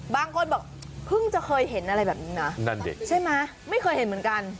บางคนบอกเพิ่งจะเคยเห็นอะไรแบบนี้นะนั่นดิใช่ไหมไม่เคยเห็นเหมือนกัน